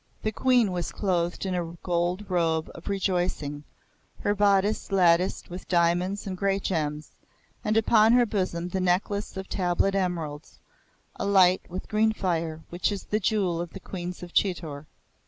The Queen was clothed in a gold robe of rejoicing, her bodice latticed with diamonds and great gems, and upon her bosom the necklace of table emeralds, alight with green fire, which is the jewel of the Queens of Chitor.